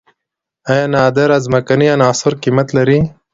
آیا نادره ځمکنۍ عناصر قیمت لري؟